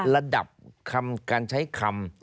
ระดับคำการใช้คำ